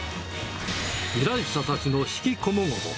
依頼者たちの悲喜こもごも。